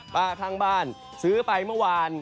ข้างบ้านซื้อไปเมื่อวาน